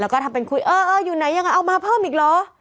แล้วก็ทำเป็นคุยเออเอออยู่ไหนยังไงเอามาเพิ่มอีกเหรอ